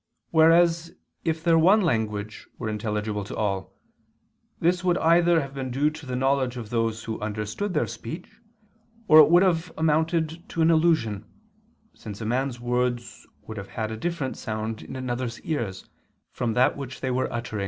Whereas if their one language were intelligible to all, this would either have been due to the knowledge of those who understood their speech, or it would have amounted to an illusion, since a man's words would have had a different sound in another's ears, from that with which they were uttered.